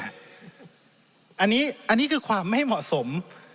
อันนี้คือความไม่เหมาะสม